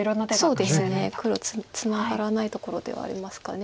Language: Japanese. そうですね黒ツナがらないところではありますか。